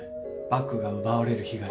バッグが奪われる被害